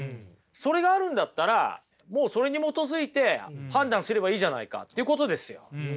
それがあるんだったらもうそれに基づいて判断すればいいじゃないかってことですよ。